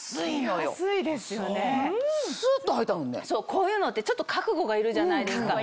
こういうのってちょっと覚悟がいるじゃないですか。